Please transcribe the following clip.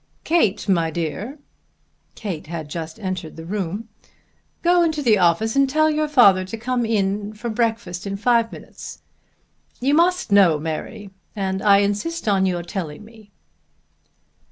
Kate, my dear," Kate had just entered the room, "go into the office and tell your father to come into breakfast in five minutes. You must know, Mary, and I insist on your telling me."